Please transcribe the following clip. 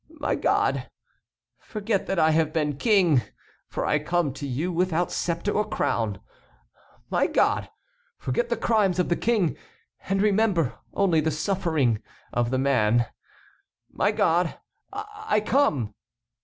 My God! forget that I have been King, for I come to you without sceptre or crown. My God! forget the crimes of the King, and remember only the suffering of the man. My God, I come!"